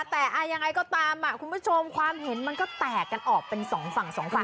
แต่ยังไงก็ตามคุณผู้ชมความเห็นมันก็แตกกันออกเป็นสองฝั่งสองฝั่ง